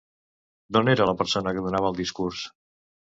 D'on era la persona que donava el discurs?